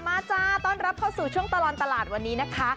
จ้าต้อนรับเข้าสู่ช่วงตลอดตลาดวันนี้นะคะ